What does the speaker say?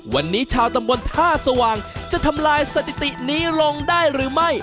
วันนี้ชาวตำบลท่าสว่างจะทำลายสถิตินี้ลงได้หรือไม่